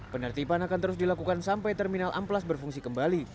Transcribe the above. penertiban akan terus dilakukan sampai terminal amplas berfungsi kembali